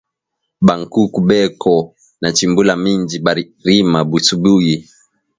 Ba nkuku beko na chimbula minji bari rima busubuyi